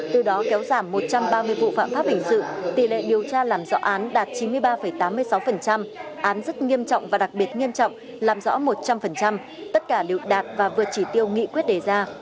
từ đó kéo giảm một trăm ba mươi vụ phạm pháp hình sự tỷ lệ điều tra làm rõ án đạt chín mươi ba tám mươi sáu án rất nghiêm trọng và đặc biệt nghiêm trọng làm rõ một trăm linh tất cả đều đạt và vượt chỉ tiêu nghị quyết đề ra